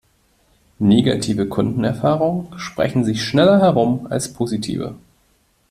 Negative Kundenerfahrungen sprechen sich schneller herum als positive.